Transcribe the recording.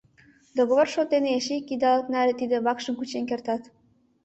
— Договор шот дене эше ик идалык наре тиде вакшым кучен кертат.